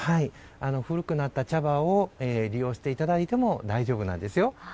古くなった茶葉を利用していただいても大丈夫なんですよ。